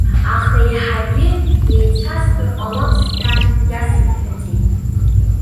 Аха еиҳагьы еицәастәыр ҟалап сҳәан, иасымҳәаӡеит.